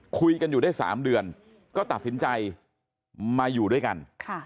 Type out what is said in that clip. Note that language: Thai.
คุยกันอยู่ได้๓เดือนก็ตัดสินใจมาอยู่ด้วยกัน